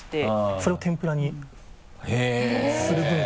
それを天ぷらにする文化が。